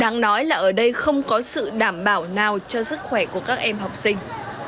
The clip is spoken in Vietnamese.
đáng nói là ở đây không có sự đảm bảo nào cho sức khỏe của các em học sinh